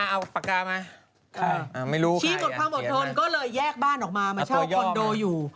เอาปากกามาไม่รู้ชี้หมดความอดทนก็เลยแยกบ้านออกมามาเช่าคอนโดอยู่